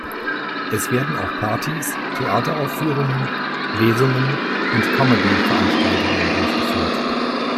Es werden auch Partys, Theateraufführungen, Lesungen und Comedy-Veranstaltungen durchgeführt.